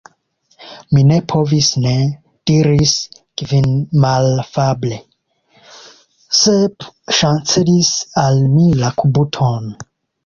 "Mi ne povis ne," diris Kvin malafable. "Sep ŝancelis al mi la kubuton."